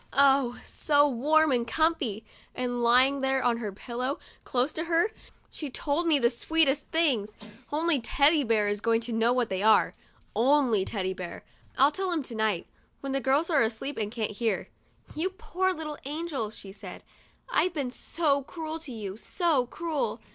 Oh, so warm and comfy; and lying there on her pillow, close to her, she told me the sweetest things ! Only Teddy Bear is going to know what they are; only Teddy Bear. I'll tell him to night, when the girls are asleep and can't hear. " You poor little angel," she said ;" I've been so cruel to you, so cruel.